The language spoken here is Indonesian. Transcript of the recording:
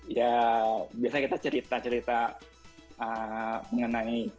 ya biasanya kita cerita cerita mengenai